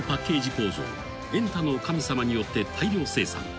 工場『エンタの神様』によって大量生産］